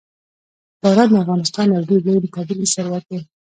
باران د افغانستان یو ډېر لوی طبعي ثروت دی.